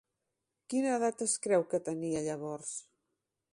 Quina edat es creu que tenia llavors?